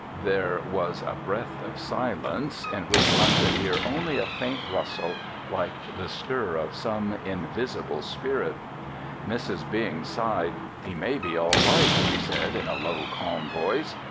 There was a breath of silence in which one could hear only a faint rustle like the stir of some invisible spirit. Mrs. Bing sighed. "He may be all right," she said in a low, calm voice.